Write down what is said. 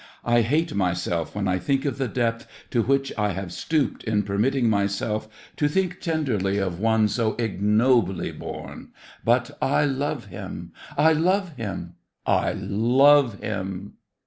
I hate myself when I think of the depth to which I have stooped in permitting myself to think tenderly of one so ignobly born, but I love him! I love him! I love him!